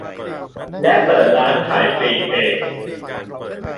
และเปิดร้านขายปลีกเอง